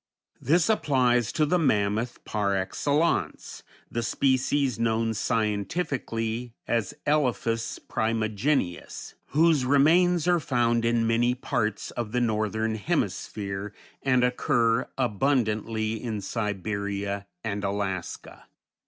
This applies to the mammoth par excellence, the species known scientifically as Elephas primigenius, whose remains are found in many parts of the Northern Hemisphere and occur abundantly in Siberia and Alaska.